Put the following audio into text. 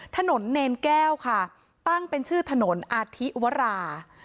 ถนนเนรแก้วค่ะตั้งเป็นชื่อถนนอาทิวรา